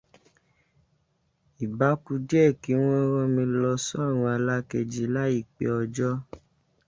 Ibá ku díẹ̀ kí wọ́n rán mi lọ sọ́run alákeji láìpé ọjọ́